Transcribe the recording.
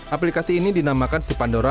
aplikasi ini dinamakan supandora